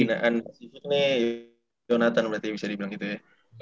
pemimpinan pasifik nih jonathan berarti bisa dibilang gitu ya